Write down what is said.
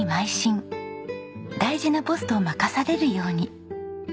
大事なポストを任されるように。